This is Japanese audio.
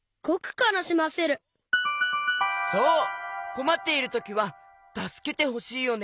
こまっているときはたすけてほしいよね。